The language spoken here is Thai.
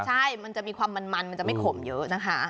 ใช่มันจะมีความมันมันจะไม่ขมเยอะนะคะ